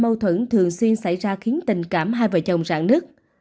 tại vì mâu thuẫn thường xuyên xảy ra khiến tình cảm hai vợ chồng rạn nứt